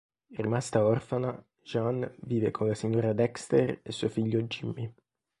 Rimasta orfana, Jean vive con la signora Dexter e suo figlio Jimmie.